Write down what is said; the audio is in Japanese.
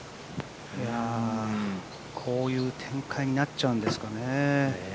こういう展開になっちゃうんですかね。